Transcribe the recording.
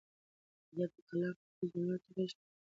د ده په کلام کې د جملو تړښت ځانګړی دی.